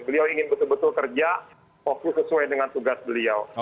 beliau ingin betul betul kerja fokus sesuai dengan tugas beliau